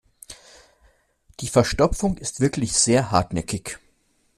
Die Verstopfung ist wirklich sehr hartnäckig.